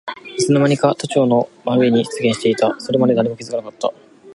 いつのまにか都庁の真上に出現していた。それまで誰も気づかなかった。